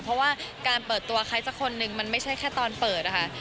เพราะว่าการเปิดตัวใครสักคนนึงมันไม่ใช่แค่ตอนเปิดค่ะ